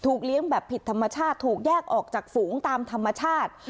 เลี้ยงแบบผิดธรรมชาติถูกแยกออกจากฝูงตามธรรมชาติ